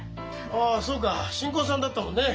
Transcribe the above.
ああそうか新婚さんだったもんね。